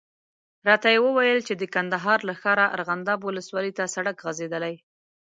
راته یې وویل چې د کندهار له ښاره ارغنداب ولسوالي ته سړک غځېدلی.